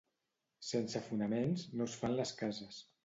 Sense fonaments no es fan les cases.